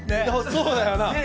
そうだよ